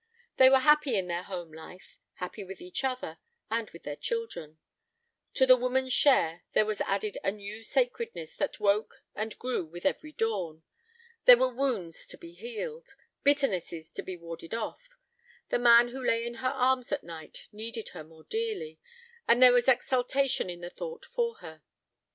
They were happy in their home life, happy with each other, and with their children. To the woman's share there was added a new sacredness that woke and grew with every dawn. There were wounds to be healed, bitternesses to be warded off. The man who lay in her arms at night needed her more dearly, and there was exultation in the thought for her.